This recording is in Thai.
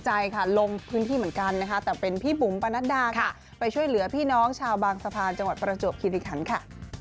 สิลาชัยชาวบางสภานจังหวัดประจบคริติขันค่ะ